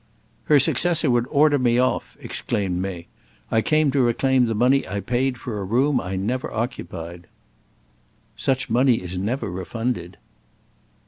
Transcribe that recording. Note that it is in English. "Her successor would order me off," exclaimed May. "I came to reclaim the money I paid for a room I never occupied." "Such money is never refunded."